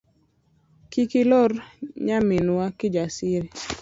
Kiki lor nyaminwa Kijasiri.